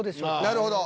なるほど。